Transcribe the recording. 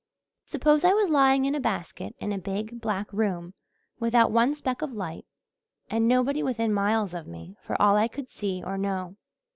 Suppose I was lying in a basket in a big, black room, without one speck of light, and nobody within miles of me, for all I could see or know.